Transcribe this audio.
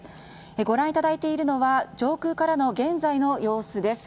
ご覧いただいているのは上空からの現在の様子です。